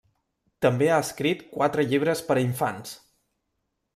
També ha escrit quatre llibres per a infants.